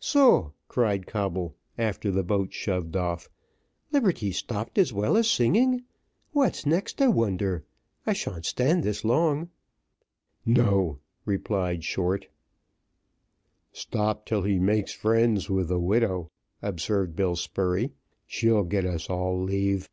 "So," cried Coble, after the boat shoved off, "liberty's stopped as well as singing. What next, I wonder? I sha'n't stand this long." "No," replied Short. "Stop till he makes friends with the widow," observed Bill Spurey; "she'll get us all leave."